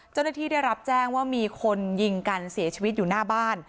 เจ้าหน้าที่ได้รับแจ้งว่ามีคนยิงกันเสียชีวิตอยู่หน้าบ้าน